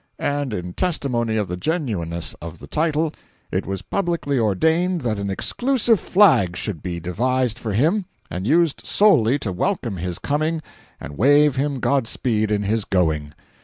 And in testimony of the genuineness of the title it was publicly ordained that an exclusive flag should be devised for him and used solely to welcome his coming and wave him God speed in his going.